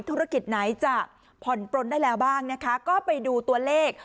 ธุรกิจไหนจะผ่อนปลนได้แล้วบ้างนะคะก็ไปดูตัวเลข